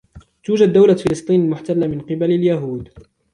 توجد دولة فلسطين المحتلة من قبل اليهود